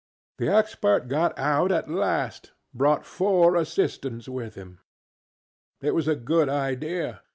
The Expert got out at last, brought four assistants with him. It was a good idea.